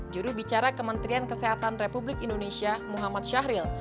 jurubicara kementerian kesehatan republik indonesia muhammad syahril